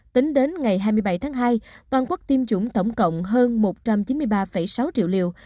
tính đến ngày hai mươi bảy tháng hai toàn quốc tiêm chủng tổng cộng hơn một trăm chín mươi ba sáu triệu liều